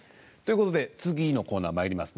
次のコーナーにまいりますね